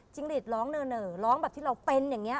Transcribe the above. หลีดร้องเนอร้องแบบที่เราเป็นอย่างนี้